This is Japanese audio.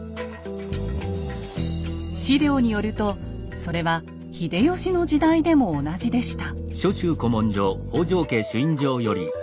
史料によるとそれは秀吉の時代でも同じでした。